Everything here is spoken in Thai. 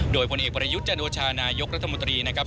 โดยผลเอกประยุทธ์จันโอชานายกรัฐมนตรีนะครับ